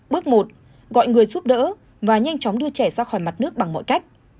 bước một gọi người giúp đỡ và nhanh chóng đưa trẻ ra khỏi mặt nước bằng mọi cách